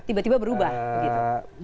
tiba tiba berubah gitu